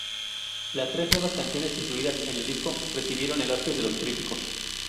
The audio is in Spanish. Las tres nuevas canciones incluidas en el disco recibieron elogios de los críticos.